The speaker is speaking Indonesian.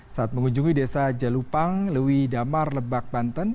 saat mengunjungi desa jalupang lewi damar lebak banten